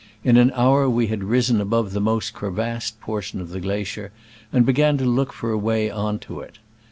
In an hour we had risen above the most crevassed portion of the glacier, and be gan to look for a way on to it.